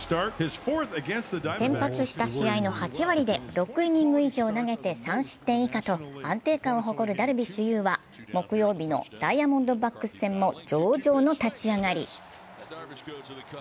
先発した試合の８割で６イニング以上を投げて３失点以下と安定感を誇るダルビッシュ有は木曜日のダイヤモンドバックス戦も上々の立ち上がり。